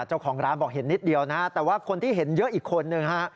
เจ้าของร้านบอกเห็นนิดเดียวนะฮะแต่ว่าคนที่เห็นเยอะอีกคนนึงฮะ